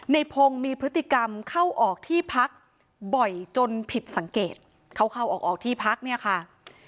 ในพงศ์มีพฤติกรรมเข้าออกที่พักบ่อยจนผิดสังเกตเข้าเข้าออกออกที่พักเนี่ยค่ะ